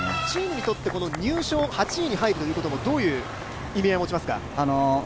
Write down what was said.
チームにとって入賞、８位に入るというのはどういう意味合いを持ちますか？